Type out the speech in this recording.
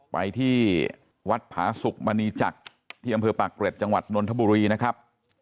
ไปที่วัดผาสุกมณีจักรที่อำเภอปากเกร็ดจังหวัดนนทบุรีนะครับ